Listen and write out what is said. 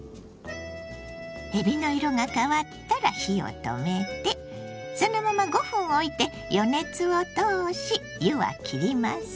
えびの色が変わったら火を止めてそのまま５分おいて余熱を通し湯はきります。